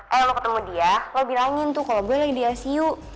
eh lo ketemu dia lo bilangin tuh kalau gue lagi di icu